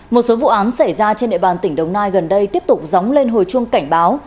một số vụ án xảy ra trên địa bàn tỉnh đồng nai gần đây tiếp tục dóng lên hồi chuông cảnh báo